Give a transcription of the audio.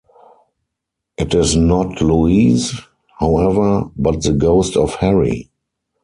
It is not Louise, however, but the ghost of Harry.